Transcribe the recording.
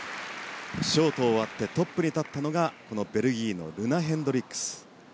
ショート終わってトップに立ったのがベルギーのルナ・ヘンドリックス。